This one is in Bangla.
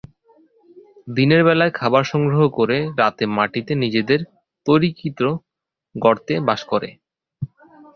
দিনের বেলায় খাবার সংগ্রহ করে রাতে মাটিতে নিজেদের তৈরীকৃত গর্তে বাস করে।